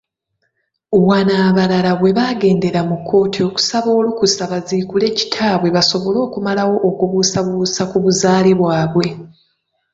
Wano abalala we baagendera mu kkooti okusaba olukusa baziikule kitaabye basobole okumalawo okubuusabussa ku buzaale bwabwe.